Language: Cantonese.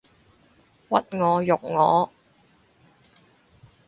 屈我辱我